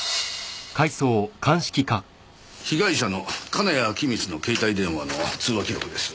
被害者の金谷陽充の携帯電話の通話記録です。